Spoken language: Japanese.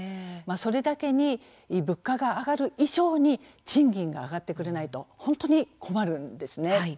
それだけに物価が上がる以上に賃金が上がってくれないと本当に困るんですね。